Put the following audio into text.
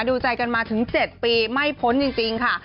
ดูใจกันมาถึง๗ปีไม่พ้นจริงค่ะ